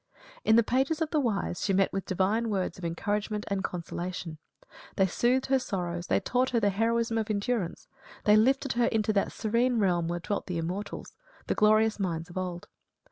In the pages of the wise she met with divine words of encouragement and consolation; they soothed her sorrows, they taught her the heroism of endurance, they lifted her into that serene realm where dwelt the Immortals the glorious minds of old.